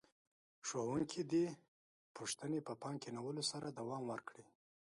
ښوونکي دې پوښتنې په پام کې نیولو سره دوام ورکړي.